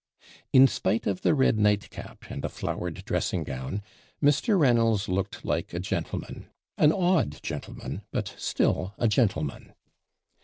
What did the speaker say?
In spite of the red night cap, and a flowered dressing gown, Mr. Reynolds looked like a gentleman, an odd gentleman but still a gentleman.